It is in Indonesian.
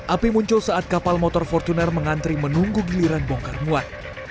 api muncul saat kapal motor fortuner mengantri menunggu giliran bongkar muat